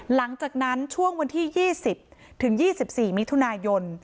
หลังจากนั้นช่วงวันที่๒๐ถึง๒๔มิถุนายน